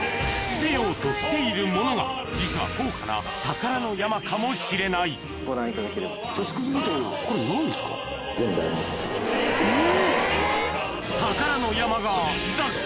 捨てようとしているものが実は高価な宝の山かもしれないご覧いただければと。え！